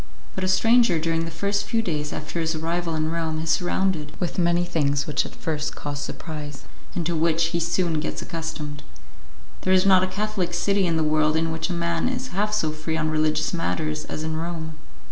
But a stranger during the first few days after his arrival in Rome is surrounded with many things which at first cause surprise, and to which he soon gets accustomed. There is not a Catholic city in the world in which a man is half so free on religious matters as in Rome.